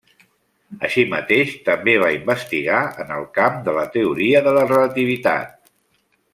Així mateix, també va investigar en el camp de la teoria de la relativitat.